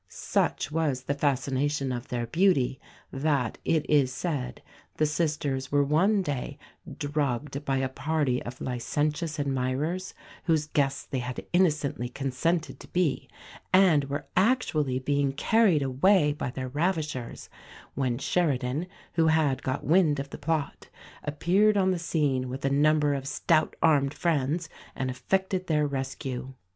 Such was the fascination of their beauty that, it is said, the sisters were one day drugged by a party of licentious admirers, whose guests they had innocently consented to be, and were actually being carried away by their ravishers when Sheridan, who had got wind of the plot, appeared on the scene with a number of stout armed friends, and effected their rescue.